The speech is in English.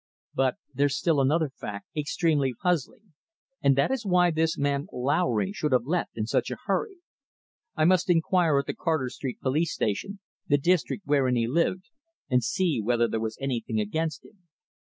"But there's still another fact extremely puzzling, and that is why this man Lowry should have left in such a hurry. I must inquire at the Carter Street Police Station, the district wherein he lived, and see whether there was anything against him.